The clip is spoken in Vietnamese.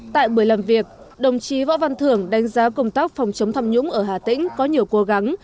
tại buổi làm việc đồng chí võ văn thưởng đánh giá công tác phòng chống tham nhũng ở hà tĩnh có nhiều cố gắng